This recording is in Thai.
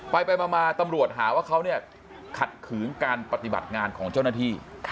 ไปมาตำรวจหาว่าเขาเนี่ยขัดขืนการปฏิบัติงานของเจ้าหน้าที่